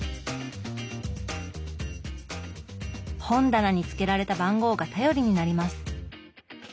本棚につけられた番号が頼りになります。